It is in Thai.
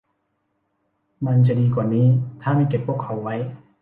มันจะดีกว่านี้ถ้าไม่เก็บพวกเขาไว้